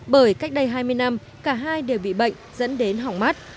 bởi cách đây hai mươi năm cả hai đều bị bệnh dẫn đến hỏng mắt